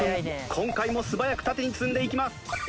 今回も素早く縦に積んでいきます。